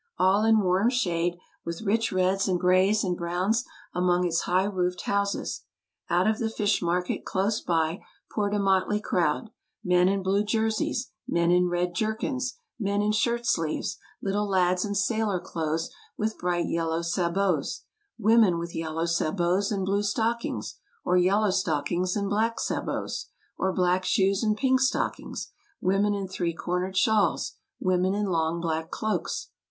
all in warm shade, with rich reds and grays and browns among its high roofed houses. Out of the Fish Market close by poured a motley crowd — men in blue jer seys, men in red jerkins, men in shirt sleeves, little lads in 232 TRAVELERS AND EXPLORERS sailor clothes with bright yellow sabots, women with yellow sabots and blue stockings, or yellow stockings and black sabots, or black shoes and pink stockings, women in three cornered shawls, women in long black cloaks.